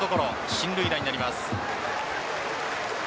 進塁打になります。